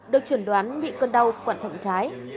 được chuẩn đoán bị cơn đau quặn thẳng trái